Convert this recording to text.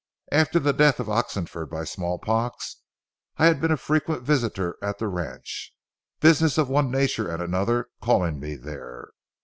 After the death of Oxenford by small pox, I had been a frequent visitor at the ranch, business of one nature and another calling me there.